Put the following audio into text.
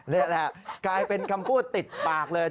นี่แหละกลายเป็นคำพูดติดปากเลย